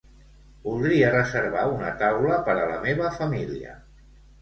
Voldria reservar una taula per a la meva família.